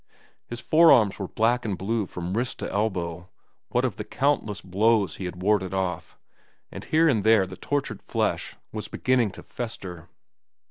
His forearms were black and blue from wrist to elbow, what of the countless blows he had warded off, and here and there the tortured flesh was beginning to fester.